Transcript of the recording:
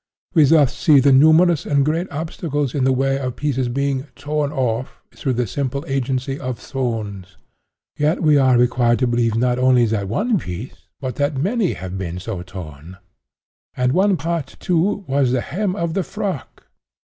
We thus see the numerous and great obstacles in the way of pieces being 'torn off' through the simple agency of 'thorns;' yet we are required to believe not only that one piece but that many have been so torn. 'And one part,' too, 'was the hem of the frock!